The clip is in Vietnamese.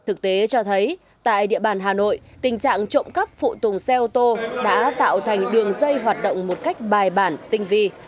thực tế cho thấy tại địa bàn hà nội tình trạng trộm cắp phụ tùng xe ô tô đã tạo thành đường dây hoạt động một cách bài bản tinh vi